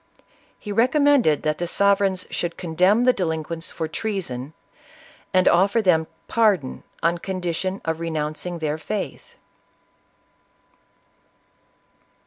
He recom mended that the sovereigns should condemn the delin quents for treason ; and offer them pardon on condition of renouncing their faith.